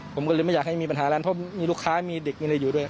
ผมก็เลยไม่อยากให้มีปัญหานั้นเพราะมีลูกค้ามีเด็กมีอะไรอยู่ด้วย